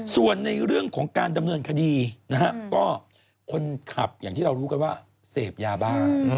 ส่วนในเรื่องของการดำเนินคดีนะฮะก็คนขับอย่างที่เรารู้กันว่าเสพยาบ้า